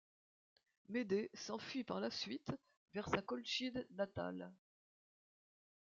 Médée s'enfuit par la suite vers sa Colchide natale.